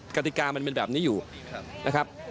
กติกามันเป็นแบบนี้อยู่นะครับ